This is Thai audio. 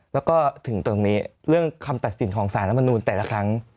แล้วก็ถึงตรงนี้เรื่องคำตัดสินของสารรัฐมนูลแต่ละครั้ง